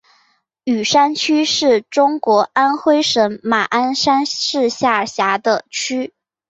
雨山区是中国安徽省马鞍山市下辖的区。